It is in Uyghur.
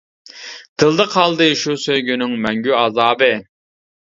دىلدا قالدى شۇ سۆيگۈنىڭ مەڭگۈ ئازابى.